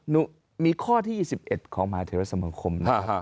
นู่มีข้อที่๒๑ของใบมหาเทราศมาคม